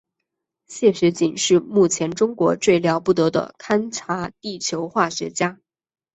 谢学锦是目前中国最了不得的勘察地球化学家。